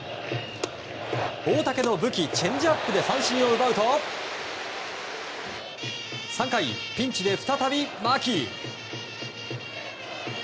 大竹の武器チェンジアップで三振を奪うと３回、ピンチで再び牧。